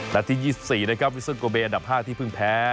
นาทียี่สิบสี่นะครับวิสเตอร์โกเบอันดับห้าที่เพิ่งแพ้